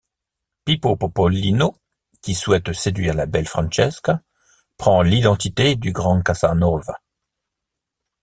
Pippo Popolino, qui souhaite séduire la belle Francesca, prend l'identité du grand Casanova.